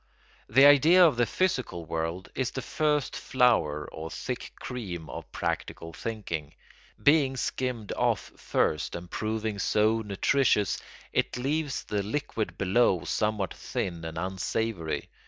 The idea of the physical world is the first flower or thick cream of practical thinking. Being skimmed off first and proving so nutritious, it leaves the liquid below somewhat thin and unsavoury.